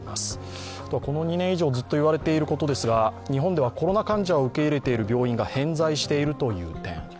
この２年以上、ずっと言われていることですが日本ではコロナ患者を受け入れている病院が偏在しているという点。